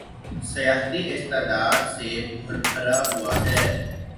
سیاحتی استعداد سے بھرا ہوا ہے